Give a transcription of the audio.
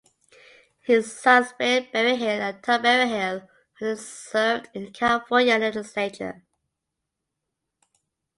His sons Bill Berryhill and Tom Berryhill also served in the California Legislature.